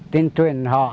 tin truyền họ